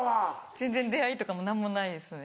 全然出会いとかも何もないですね